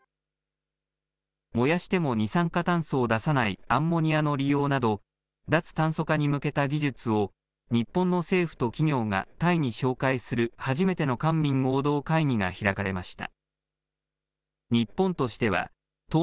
燃やしても二酸化炭素を出さないアンモニアの利用など、脱炭素化に向けた技術を日本の政府と企業がタイに紹介する初めての官民合同会議が開かれました。